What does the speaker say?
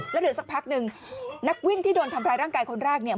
แล้วเดี๋ยวสักพักหนึ่งนักวิ่งที่โดนทำร้ายร่างกายคนแรกเนี่ย